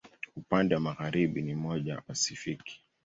Upande wa magharibi ni maji wa Pasifiki.